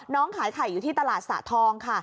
ขายไข่อยู่ที่ตลาดสะทองค่ะ